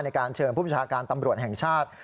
ในการเชิญผู้ประชาการตำรวจแห่งชาติ